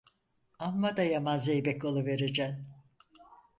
Amma da yaman zeybek oluvericen!